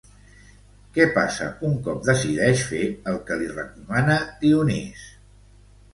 Què passa un cop decideix fer el que li recomana Dionís?